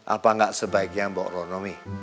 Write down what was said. apa gak sebaiknya mbak rono mi